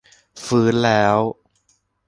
ฟื้นแล้ว